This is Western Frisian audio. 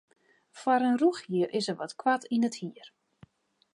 Foar in rûchhier is er wat koart yn it hier.